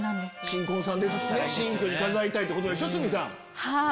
新婚さんですし新居に飾りたいってことでしょ。